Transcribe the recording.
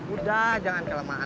udah jangan kelemahan